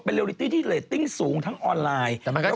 เลลิตี้ที่เรตติ้งสูงทั้งออนไลน์